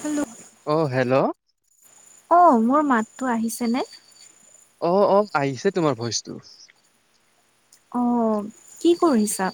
Hello. অ hello অ মোৰ মাতটো আহিছেনে? অ অ আহিছে তোমাৰ ভইচটো। অ' কি কৰিছা?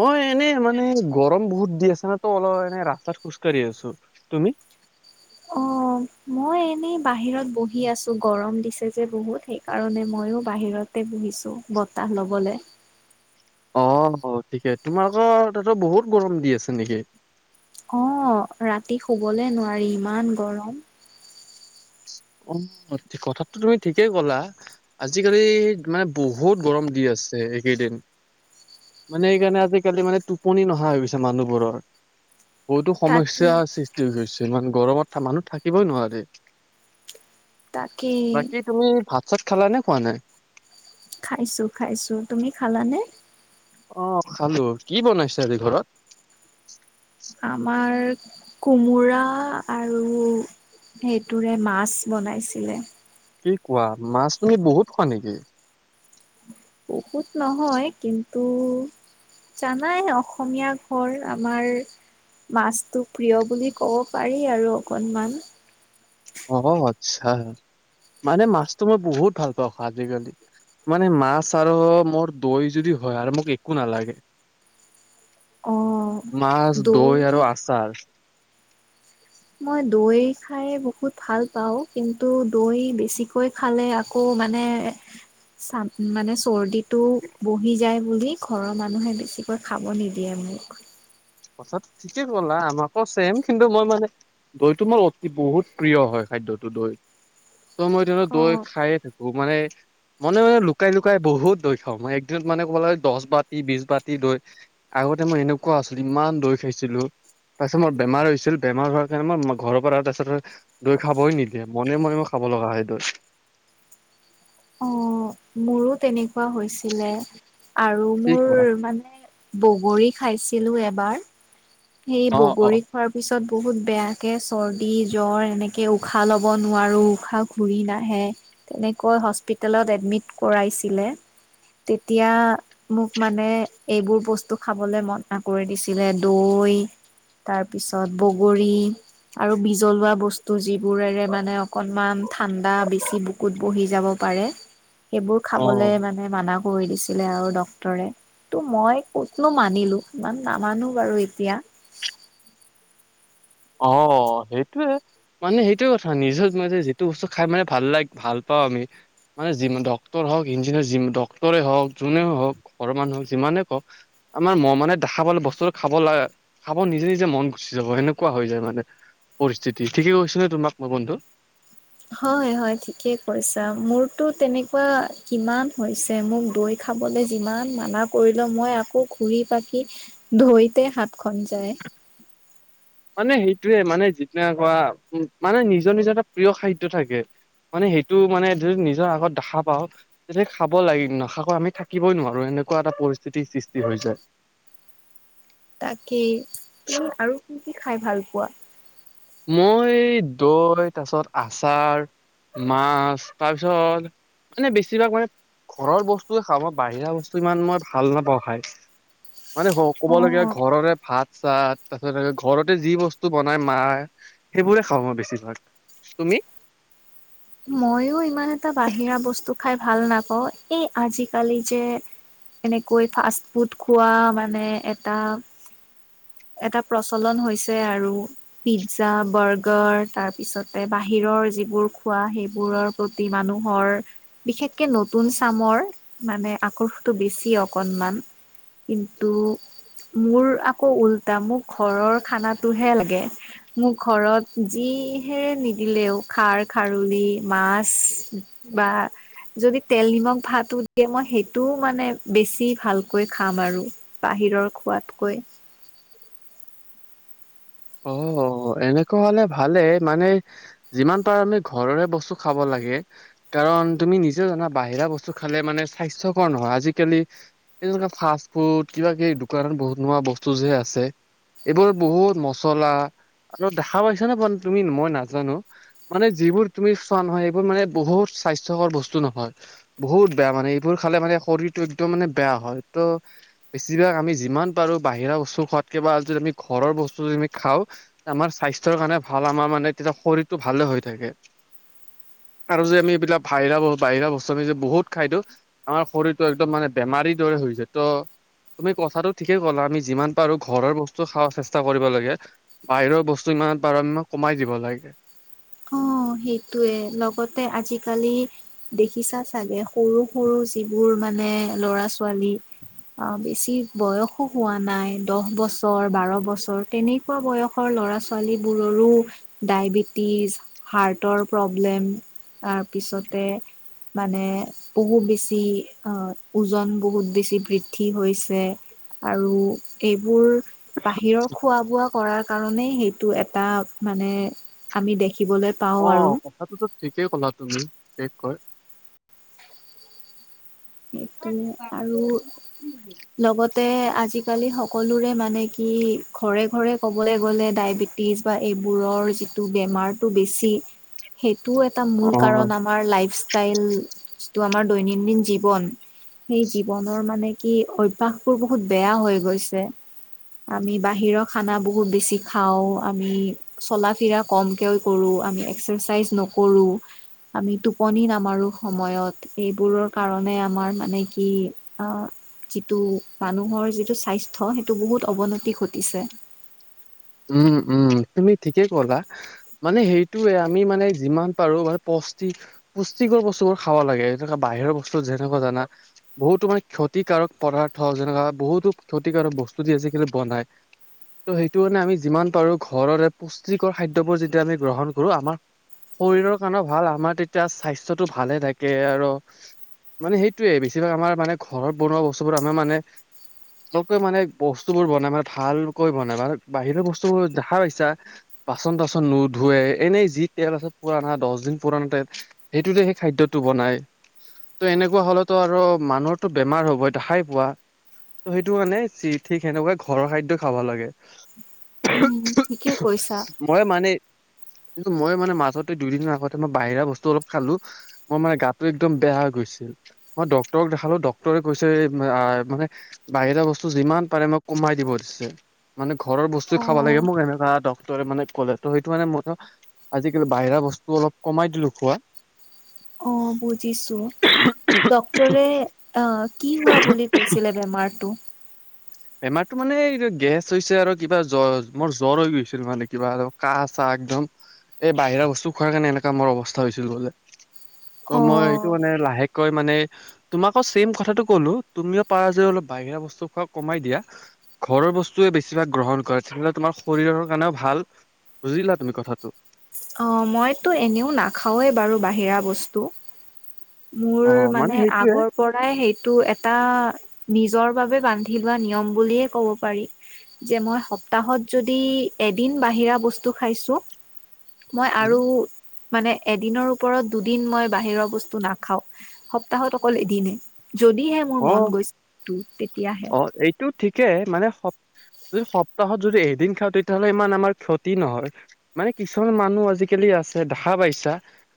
মই এনেই মানে গৰম বহুত দি আছে ন তো অলপ এনে ৰাস্তাত খোজকাঢ়ি আছো তুমি। অ মই এনেই বাহিৰত বহি আছো গৰম দিছে যে বহুত সেইকাৰণে মইয়ো বাহিৰতে। বহিছো বতাহ লবলে। অ' হ' ঠিকে তোমালোকৰ তাতো বহুত গৰম দি আছে নেকি? অ ৰাতি শুবলে নোৱাৰি ইমান গৰম। অ' কথাটোটো তুমি ঠিকেই ক'লা আজিকালি মানে বহুত গৰ গৰম দি আছে এইকেইদিন। মানে সেইকাৰণে আজিকালি মানে টোপনি নহা হৈ গৈছে মানুহবোৰৰ। বহুতো তাকে। সমস্যাৰ সৃষ্টি হৈ গৈছে, ইমান গৰমত মানুহ থাকিবই নোৱাৰে। তাকে বাকী তুমি ভাত-চাত খালা নে খোৱা নাই? খাইছোঁ খাইছোঁ। তুমি খালানে? অ' খালোঁ। কি বনাইছে আজি ঘৰত? আমাৰ কোমোৰা আৰু সেইটোৰে মাছ বনাইছিলে। কি কোৱা? মাছ তুমি বহুত খোৱা নেকি? বহুত নহয় কিন্তু জানাই অসমীয়া ঘৰ আমাৰ মাছটো প্ৰিয় বুলি ক'ব পাৰি আৰু অকনমান। অ' আচ্ছা মানে মাছটো মই বহুত ভাল পাওঁ খাই আজিকালি। মানে মাছ আৰু মোৰ দৈ যদি হয় আৰু মোক একো নালাগে। অ' মাছ, দৈ আৰু আচাৰ। মই দৈ খাই বহুত ভাল পাওঁ, কিন্তু দৈ বেছিকৈ খালে আকৌ মানে চাম মানে চৰ্দিত টো বহি যায় বুলি ঘৰৰ মানুহে বেছিকৈ খাব নিদিয়ে মোক। কথাটো ঠিকে ক'লা আমাকো ছেম, কিন্তু মই মানে দৈ টো মোৰ অতি বহুত প্ৰিয় হয় খাদ্যটো দৈ। ত মই ধৰি লোৱা দৈ অ' খায়ে থাকো। মোক মানে মনে-মনে, লুকাই-লুকাই বহুত দৈ খাওঁ, মই একদিনত মানে ক'ব লাগে দহ বাতি, বিছ বাতি দৈ আ আগতে মই এনেকুৱা আছিলোঁ, ইমান দৈ খাইছিলোঁ। তাৰছত মোৰ বেমাৰ হৈছিল। বেমাৰ হোৱাৰ কাৰণে মই ঘৰৰ পৰা তাৰছতে দৈ খাবই নিদিয়ে। মনে - মনে মই খাব ব লগা হয় দৈ। অ' মোৰো তেনেকুৱা হৈছিলে। আৰু কি মোৰ কোৱা? মানে বগৰী খাইছিলোঁ এবাৰ। সেই অ অ বগৰী খোৱাৰ পিছত তিছত বহুত বেয়াকে চৰ্দি জ্বৰ এনেকে উশাহ ল'ব নোৱাৰো উশাহ ঘূৰি নাহে তেনেকৈ হস্পিতালত এডমিট কৰাইছিলে তেতিয়া মোক মানে এইবোৰ বস্তু খাবলৈ মনা কৰি দিছিলে দৌ তাৰপিছত বগৰী আৰু বিজলুৱা বস্তু যিবোৰেৰে মানে অকনমান ঠাণ্ডা বেছি বুকুত বহি যাব পাৰে সেইবোৰ অ খাবলে মানে মান কৰি দিছিলে আৰু ডক্তৰে ত' মই কতনো মানিলো ইমান নামানো বাৰু এতিয়া অ', সেইটোৱে মানে সেইটোয়ে কথা নিজৰ ম যিটো বস্তু খাই মানে ভাল লাগক ভাল পাওঁ আমি মানে যি ডক্টৰ ইঞ্জিনিয়াৰ ডক্টৰে হওক যোনে হওক ঘৰ মানু হক যিমানে কওক আমাৰ ম মানে দেখা বস্তুটো খাব লাগে, খাব নিজে, নিজে মন গুচি যাব সেকুৱা কোৱা হৈ যায় মানে পৰিস্থিতি ঠিকে কৈছ নে তোমাক মই বন্ধু হয়, হয় ঠিকে কৈছা মোৰতো তেনেকুৱা কিমান হৈছে মোক দৈ খাব চাব যিমান মানা কৰিল মই আকৌ ঘূৰি পাকি দৈতে ধৰিতে হাতখন যায় [inaudible] মানে সেইটোয়ে মানে যিদিনেুৱা উ মানে নিজৰ, নিজৰ এটা প্ৰিয় খাদ্য থাকে মানে সেইটো মানে যদি নিজৰ আগত দেখা পাওঁ য খাব লাগে নাখাকো আমি থাকিবই নোৱাৰো এনেকুৱা এটা পৰিস্থিতিৰ সৃষ্টি হৈ যায় তাকেই তুমি আৰু কি, কি খাই ভাল পোৱা? মই দৈ তাৰপিছত আচাৰ মাছ তাৰপিছত মানে বেছিভাগ মানে ঘৰৰ বস্তুৱে খাওঁ মই বাহিৰা বস্তু ইমান মই ভাল নাপাওঁ খাই মানে হ ক'বলগীয়া অ' ঘৰৰে ভাত চাত তাৰপিছতে ঘৰতে যি বস্তু বনাই মায় সেইবোৰে খাওঁ মই বেছিভাগ তুমি মইও ইমান এটা বাহিৰা বস্তু খাই ভাল নাপাওঁ এই আজিকালি যে এনেকৈ ফাষ্ট ফুড খোৱা মানে এটা এটা প্ৰচলন হৈছে আৰু পিজ্জা বাৰ্গাৰ তাৰপিছতে বাহিৰত বাহিৰৰ যিবোৰ খোৱা সেইবোৰৰ প্ৰতি মানুহৰ বিশষকে নতুন চ মানে আকৰ্ষটো বেছি অকনমান কিন্তু মোৰ আকৌ উল মোক ঘৰৰ খানাটো হে লাগে মোক ঘৰত যিহেৰে নিদিলেও খাৰ খাৰলি মাছ বা যদি তেল নিমখ ভাতো দিয়ে মই সেইটোও মানে বেছি ভালকৈ খাম আৰু ভিৰৰ খোৱাতকৈ [unintelligible] অ', এনেকুৱা হলে ভালে মানে যিমান পাৰো আমি ঘৰৰে বস্তু খাব লাগে কাৰণ তুমি নিজেও জানা বাহিৰা বস্তু খালে মানে স্বাস্থ্যকৰ নহয়, আজিকালি এ ফুত কিবা- কিব দোকানত বহুত বনোৱা বস্তু যে আছে এইবোৰ বহুত মস চলা আৰু দেখা পাইছা নে ব তুমি মই নাজানো মানে যিবোৰ তুমি চোৱা নহয় এইবোৰ মানে বহুত স্বাস্থ্যকৰ বস্তু নহয় বহুত বেয়া মানে এইবোৰ খালে মানে শৰীৰতটো একদম মানে বেয়া হয়তো বেছিভাগ আমি যিমান পাৰো বাহিৰা বস্তু খোৱাতকে বা আ যদি আমি ঘৰৰ বস্তু খাওঁ, আমাৰ স্বাস্থ্যৰ কাৰণে ভাল আমাৰ মানে তেতিয়া শৰীৰটো ভালে হৈ থাকে [unintelligible] আৰু য আমি এইবিলাক বাহৰা বাহিৰা বস্তু আমি যে বহুত খাই দিওঁ, আমাৰ শৰীৰতটো একদম মান বোৰ দৰে ত তুমি কথাটো ঠিকে ক'লা আমি যিমান পাৰো ঘৰৰ বস্তু খা চেষ্টা কৰিব লাগীয়া বাহিৰৰ বস্তু ইমানত বাৰ আম কমাই দিব লাগে অ', সেইটয়ে লগতে আজিকালি দেখিছা চাগে সৰু সৰু যিবোৰ মানে ল'ৰা ছোৱালী অ', বেছি বয়সো হোৱা নাই দহ বছৰ বাৰ বছৰ তেনেকুৱা বয়সৰ ল'ৰা ছোৱালীবোৰৰো ডায়বেটিজ হাৰ্টৰ প্ৰব্লেম তাৰপিছতে মানে বহু বেছি অহ ওজন বহুত বেছি বৃদ্ধি হৈছে। আৰু এইবোৰ বাহিৰৰ খোৱা বোৱা কৰাৰ কাৰণেই সেইটো এটা মানে আমি দেখিবলৈ পাওঁ অ, আৰু কথাটোতো ঠিকেই ক'লা তুমি বিশেষকৈ। সেইটো আৰু লগতে আজি আজিকালি সকলোৰে মানে কি ঘৰে-ঘৰে ক'বলৈ গ'লে ডায়বেটিছ বা এইবোৰৰ যি টো বেমাৰটো বেছি সেই এইটো এটা অ মূল কাৰণ আমাৰ লাইফষ্টাইল যিটো আমাৰ দৈনন্দিন জীৱ জীৱন সেই জীৱনৰ মানে কি অভ্যাসবোৰ বহুত বেয়া হৈ গৈছে। আমি বাহিৰৰ খানা বহুত বেছি খাওঁ আমি চলা ফিৰা কমকে কৰো আমি এক্সাইজ নকৰোঁ আমি টোপনি নামাৰোঁ সময়ত এইবোৰৰ কাৰণে আমাৰ মানে কি অ যিটো মানুহৰ যিটো স্বাস্থ্যয় সেইটো বহুত অৱনতি ঘটিছে উম উম তুমি ঠিকে কলা মানে সেইটোৱে আমি মানে যিমান পাৰো মান পুষ্টি পুষ্টিকৰ বস্তুবোৰ খাব‌ লাগে এনেকা বাহিৰৰ বস্তু যেনে কোৱা যানা বহুতো মানে ক্ষতি কাৰক পদাৰ্থ যেনেকা বহুতো ক্ষতিকাৰক বস্তু দি আজিকালি বনাই ত সেইটো কাৰণে আমি যিমান পাৰো ঘৰৰে পুষ্টিকৰ খাদ্যবোৰ যেতিয়া আমি গ্ৰহণ কৰো আমাৰ শৰীৰৰ কাৰণে ভাল আমাৰ তেতিয়া স্বাস্থ্যটো ভালে থাকে আৰু মানে সেইটোৱে বেছিভাগ আমাৰ মানে ঘৰত বনোৱা বস্তুবোৰ আমাৰ মানে [unintelligible] কৈ মানে বস্তু বোৰ বনাই মানে ভালকৈ বনাই মানে বাহিৰৰ বস্তু বস্তুবোৰ দেখা পাইছা বাচন তাচন নোধুৱে এনেই যি তেল আছে পুৰাণা দহ দিন পুৰণা তেল সেইটোতে সেই খাদ্যটো বনাই ত' এনেকুৱা হলেতো আৰু মানুহতো বেমাৰ হ'ব দেখাই পোৱা ত' সেইটো মানে ঠিক সেনেকুৱা ঘৰৰ খাদ্য খাব লাগে ঠিকেই কৈছা মই মানে কিন্তু মই মানে মাজতে দুদিননৰ আগতে মই বাহিৰা বস্তু অলপ খালো মোৰ মানে গাটো একদম বেয়া হৈ গৈছে মই ডক্টৰক দেখালো ডক্টৰে কৈছে মানে বাহিৰা বস্তু যিমান পাৰে মই কম কমাই দিব দিছে মানে ঘৰৰ বস্তু অ খাব লাগে মোক এনেকুৱা ডক্টৰে মানে ক'লে ত সেইটো মানে মইয়ো আজিকালি বাহিৰা বস্তু অলপ কমাই দি লো খোৱা অ বুজিছো ডক্টৰে আহ কি হোৱা বুলি কৈছিলে বেমাৰটো বেমাৰটো মানে এই গেছ হৈছে আৰু কিবা জ্বৰ মোৰ জ্বৰ হৈ গৈছিল মানে কিবা কাহ-চাহ। একদম এই বাহিৰা বস্তু খোৱাৰ কাৰণে এনেকা মোৰ অৱস্থা হৈছিল বলে। ত অ মই এইটো মানে লাহেকৈ মানে তোমাকো ছেম কথাটো কলো তুমিও পাৰা যে অলপ বাহিৰা বস্তু খুৱা কমাই দিয়া ঘৰৰ বস্তুৱে বেছিভাগ গ্ৰহণ কৰে। তেতিয়াহ'লে তোমাৰ শৰীৰৰ কাৰণেও ভাল। বুজিলা তুমি কথাটো। অ' মইতো এনেও নাখাওৱে বাৰু বাহিৰা বস্তু। মোৰ অ মানে সেইটোয়ে আগৰ পৰাই সেইটো এটা নিজৰ। নিজৰ বাবে বান্ধি লোৱা নিয়ম বুলি ক'ব পাৰি যে মই সপ্তাহত যদি এদিন বান্ধি দিয়া বস্তু খাইছো আৰু মই উম, আৰু মানে এদিনৰ ওপৰত দুদিন মই বাহিৰৰ বস্তু নাখাও। সপ্তাহত অকল এদিনে। যদিহে মোৰ অ মন গৈছে তোৰ তেতিয়াহে। টো ঠিকেই মানে [unintelligible] যদি সপ্তাহত যদি এদিন খাও, তেতিয়াহ'লে ইমান আমাৰ ক্ষতি নহয় মানে কিছুমান মানুহ আজিকালি দেখা পাইছা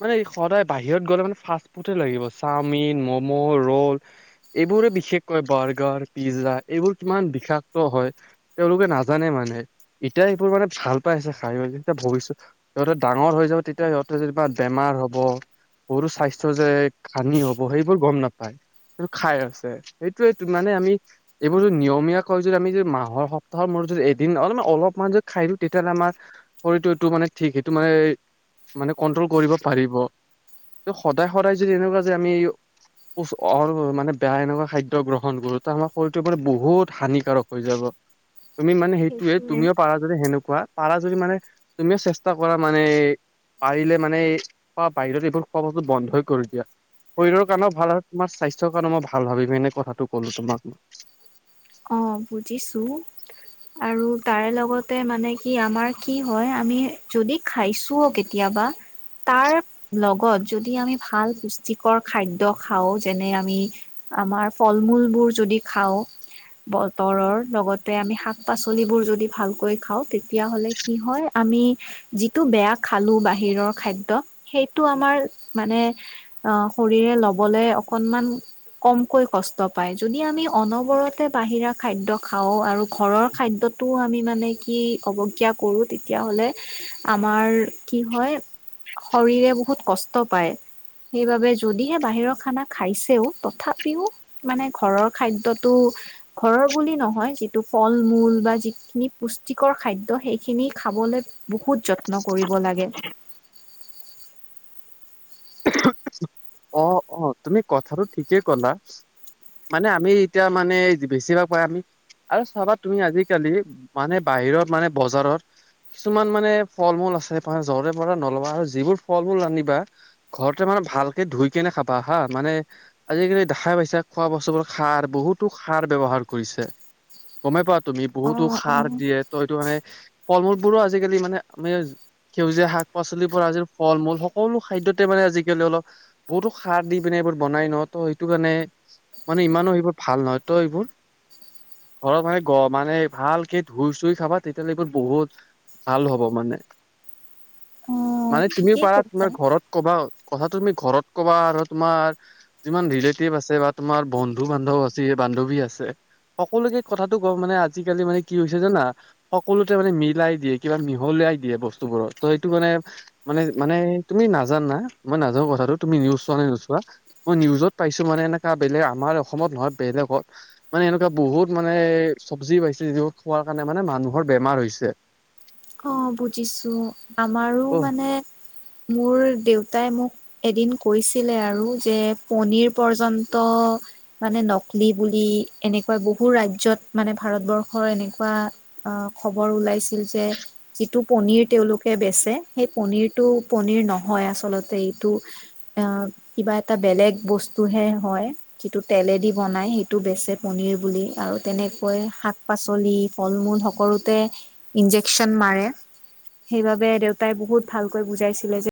মানে সদায় বাহিৰত গ'লে মানে ফাৰ্ষ্ট ফুডে লাগিব চাওমিন, মম' ৰোল এইবোৰৰে বিশেষকৈ বাৰ পিজ্জা, এইবোৰ কিমান বিষাক্ত হয়। তেওঁলোকে নাজানে মানে। এতিয়া এইবোৰ মানে ভাল পাইছে খাই যেতিয়া ভৱিষ্যত সিহঁতে ডাঙৰ হৈ যাব। তেতিয়া সিহঁতে যেনিবা বেমাৰ হ'ব। সৰু স্বাস্থ্য যে হানি হ'ব। সেইবোৰ গম নাপায় খাই আছে সেইটোৱে মানে আমি এইবোৰ যদি নিয়মীয়া কয় যদি আমি মাহৰ সপ্তাহৰ মূৰত যদি এদিন অল অলপমান যদি খা খাই দিও, তেতিয়াহ'লে আমাৰ শৰীৰটো এইটো মানে ঠিক সেইটো মানে মানে কন্ট্ৰল কৰিব পাৰিব। ত সদায় সদায় যদি এনেকুৱা যে আমি উফ অ মানে বেয়া এনেকুৱা খাদ্য গ্ৰহ গ্ৰহণ কৰোতে আমাৰ শৰীৰটোৰ মানে বহুত হানিকাৰক হৈ যাব তুমি মানে সেইটোয়ে সেইটোৱে তুমিও পাৰা যদি সেনেকুৱা পাৰা যদি মানে তুমিও চেষ্টা কৰা মানে পাৰিলে মানে এই বাহিৰত এইবোৰ খোৱা বস্তু বন্ধই কৰি দিয়া শৰীৰৰ কাৰণে ভাল তোমাৰ স্বাস্থ্যৰ কাৰণে মই ভাল ভাবিম এনে কথাটো কলো তোমাক মই অ বুজিছো আৰু তাৰে লগতে মানে কি আমাৰ কি হয় আমি যদি খাইছোও কেতিয়াবা তাৰ লগত যদি আমি ভাল পুষ্টিকৰ খাদ্য খাওঁ যেনে আমি আমাৰ ফল মূলবোৰ যদি খাওঁ বতৰৰ লগতে আমি শাক পাচলিবোৰ যদি ভালকৈ খাওঁ তেতিয়া হ'লে কি হয় আমি আমি যিটো বেয়া খালো বাহিৰ খাদ্য সেইটো আমাৰ মানে আ শৰীৰে লবলৈ অকণমান কমকৈ কষ্ট পায় যদি আমি অনবৰত তে বাহিৰা খাদ্য খাওঁ আৰু ঘৰৰ খাদ্যতোও আমি মানে কি অৱজ্ঞা কৰো তেতিয়াহ'লে আমাৰ কি হয় শৰীৰে বহুত কষ্ট পায় সেইবাবে যদিহে বাহিৰৰ খানা খাইছেও তথাপিও মানে ঘৰৰ খাদ্যটো ঘৰৰ বুলি নহয় যিটো ফল মূল বা যিখিনি পুষ্টিকৰ খাদ্য সেইখিনি খাবলে বহুত যত্ন কৰিব লাগে অ অ তুমি কথাটো ঠিকে কলা মানে আমি এতিয়া মানে বেছিভাগ পা আমি আৰু চাবা তুমি আজিকালি মানে বাহিৰত মানে বজাৰত কিছুমান মানে ফল মূল আছে তোমাৰ জৰে পৰে নলবা আৰু যিবোৰ ফল মুল আনিবা ঘৰতে মানে ভালকে ধুই কেনে খাবা হা মানে আজিকালি দেখাই পাইছা খোৱা বস্তু বোৰ ষাৰ বহুত বহুতো সাৰ ব্যৱহাৰ কৰিছে গমে পোৱা তুমি বহুতো অ', সাৰ অ', দিয়ে ত সেটো মানে ফল মূলবোৰো আজিকালি মানে আমি সেউজীয়া শাক, পাচলিৰবোৰ আজিৰ ফল মূল সকলো খাদ্যত মানে আজিকালি অলপ বহুতো সাৰ দি পিনে এইবোৰ বনাই ন' ত' সেইটোকাৰণে মানে ইমানো সেইবোৰ ভাল নহয়, ত' এইবোৰ ঘৰত মানে গ, মানে ভালকে ধুই, চুই খাবা তেতিয়াল'লে এইবোৰ বহুত ভাল হ'ব মানে। অ' মানে তুমিও ঠিকেই পাৰা কৈছা। তোমাৰ ঘৰত ক'বা কথাটো তুমি ঘৰত ক'বা, আৰু তোমাৰ যিমান ৰিলেটিভ আছে বা তোমাৰ বন্ধু, বান্ধৱ আছ- বান্ধৱী আছে। সকলোকে কথাটো গম মানে আজিকালি মানে কি হৈছে জানা? সকলোতে মানে মিলাই দিয়ে কিবা মিহলা ই, দিয়ে বস্তুবোৰত ত' এইটো মানে, মানে, মানে তুমি নাজা- নাজানা, মই নাজানোঁ কথাটো তুমি নিউজ চোৱানে নোচোৱা? মই নিউজত পাইছোঁ মানে এনেকা বেলেগ আমাৰ অসমত নহয়, বেলেগত মানে এনেকুৱা বহুত মানে চবজি পাইছে, যি খোৱাৰ কাৰণে মানে মানুহৰ বেমাৰ মাৰ হৈছে। অ', বুজিছোঁ আমাৰো ত' মানে মোৰ দেউত তাই মোক এদিন কৈছিলে আৰু যে, পনীৰ পৰ্যন্ত মানে ন লি, বুলি এনেকুৱা বহু ৰাজ্যত মানে ভাৰতবৰ্ষৰ এনেকুৱা আ, খবৰ ও ওলাইছিল যে যিটো পনীৰ তেওঁলোকে বেচে, সেই পনীৰটো, পনীৰ নহয়, আচলতে এইটো অ', কিবা এটা বেলেগ বস্তুহে হয়, যিটো তেলেদি বনাই সেইটো বেচে প নিৰ বুলি, আৰু তেনেকৈ শাক পাচলি, ফল মূল সকলোতে ইঞ্জেক মায়ে সেইবাবে দেউতাই বহুত ভালকৈ বুজাইছিলে যে